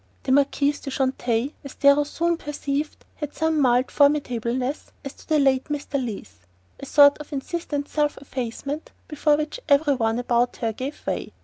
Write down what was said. The Marquise de Chantelle, as Darrow soon perceived, had the same mild formidableness as the late Mr. Leath: a sort of insistent self effacement before which every one about her gave way.